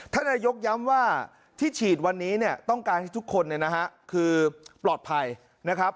ท่านนายกย้ำว่าที่ฉีดวันนี้ต้องการที่ทุกคนคือปลอดภัยนะครับ